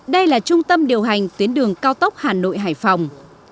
đây là trung tâm điều hành tuyến đường cao tốc hà nội hải phòng